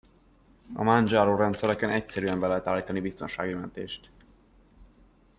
A Manjaro rendszereken egyszerűen be lehet állítani biztonsági mentést.